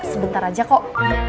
sebentar aja kok